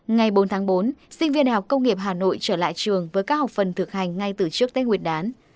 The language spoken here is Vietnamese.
ngày bốn tháng bốn sinh viên đại học công nghiệp hà nội trở lại trường với các học phần thực hành ngay từ trước tết nguyên đán